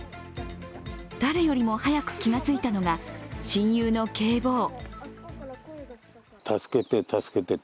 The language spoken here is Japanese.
誰よりも早く気が付いたのが親友のけい坊。